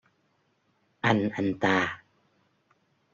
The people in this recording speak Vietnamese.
Anh anh ta